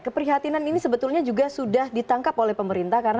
keprihatinan ini sebetulnya juga sudah ditangkap oleh pemerintah